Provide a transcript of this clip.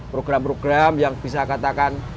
program program yang bisa katakan